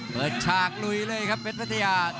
เปิดฉากลุยเลยครับเพชรภัยา